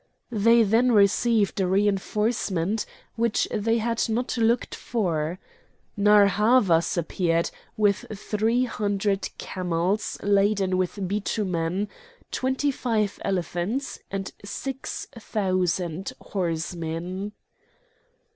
Then they received a reinforcement which they had not looked for: Narr' Havas appeared with three hundred camels laden with bitumen, twenty five elephants, and six thousand horsemen.